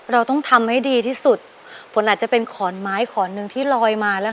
เราต้องทำให้ดีที่สุดฝนอาจจะเป็นขอนไม้ขอนหนึ่งที่ลอยมาแล้ว